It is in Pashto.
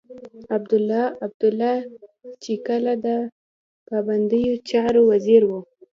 عبدالله عبدالله چې کله د باندنيو چارو وزير و.